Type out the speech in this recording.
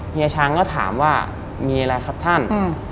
เฮีช้างก็ถามว่ามีอะไรครับท่าน